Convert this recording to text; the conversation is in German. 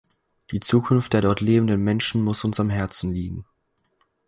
Die Zukunft der dort lebenden Menschen muss uns am Herzen liegen.